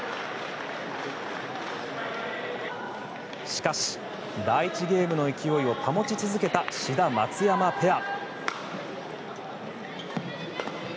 しかし第１ゲームの勢いを保ち続けた志田、松山ペア。